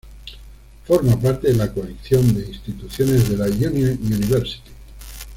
Forma parte de la coalición de instituciones de la "Union University".